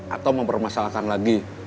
atau mempermasalahkan lagi